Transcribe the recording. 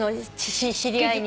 知り合いに。